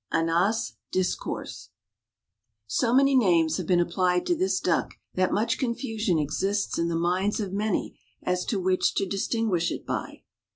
(Anas discors.) So many names have been applied to this duck that much confusion exists in the minds of many as to which to distinguish it by.